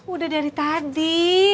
udah dari tadi